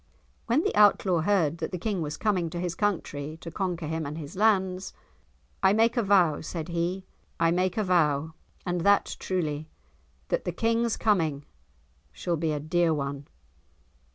When the Outlaw heard that the King was coming to his country to conquer him and his lands: "I make a vow," said he. "I make a vow, and that truly, that the King's coming shall be a dear one."